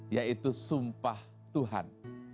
yaitu sumpah tuhan